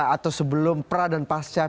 atau sebelum pra dan pasca